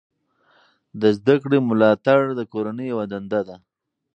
د زده کړې ملاتړ د کورنۍ یوه دنده ده.